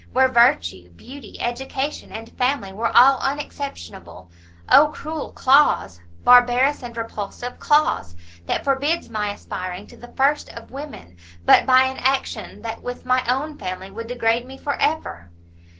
where virtue, beauty, education and family were all unexceptionable, Oh cruel clause! barbarous and repulsive clause! that forbids my aspiring to the first of women, but by an action that with my own family would degrade me for ever!"